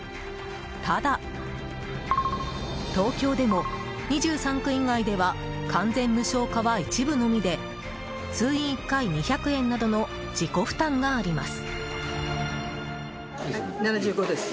ただ、東京でも２３区以外では完全無償化は一部のみで通院１回２００円などの自己負担があります。